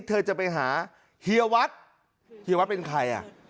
เธอจะไปหาเฮียวัดเฮียวัดเป็นใครอ่ะ